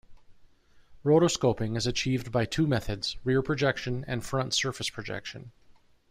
Rotoscoping is achieved by two methods, rear projection and front surface projection.